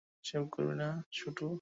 Shave করবি না, শুটু?